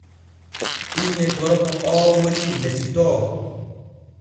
Inne gorko oo woni Nesitoo.